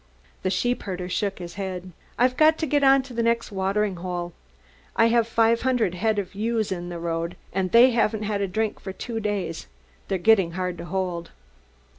The sheepherder shook his head. "I've got to get on to the next water hole. I have five hundred head of ewes in the road and they haven't had a drink for two days. They're getting hard to hold."